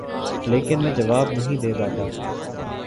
لیکن میں جواب نہیں دے پاتا ۔